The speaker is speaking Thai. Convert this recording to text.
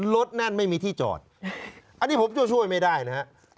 นั่นไม่มีที่จอดอันนี้ผมช่วยไม่ได้นะฮะ